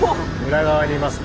裏側にいますね。